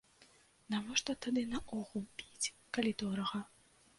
Навошта тады наогул піць, калі дорага?